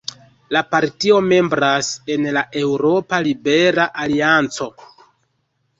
La partio membras en la Eŭropa Libera Alianco.